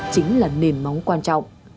chính là nền móng quan trọng